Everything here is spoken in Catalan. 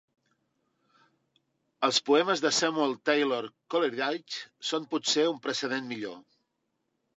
Els poemes de Samuel Taylor Coleridge són potser un precedent millor.